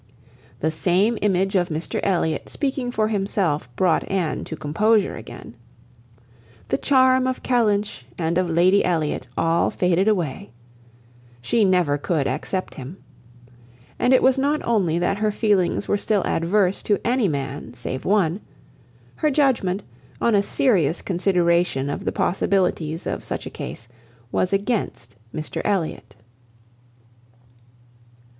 The same image of Mr Elliot speaking for himself brought Anne to composure again. The charm of Kellynch and of "Lady Elliot" all faded away. She never could accept him. And it was not only that her feelings were still adverse to any man save one; her judgement, on a serious consideration of the possibilities of such a case, was against Mr Elliot.